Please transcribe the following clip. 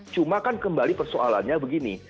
cuma kan kembali persoalannya begini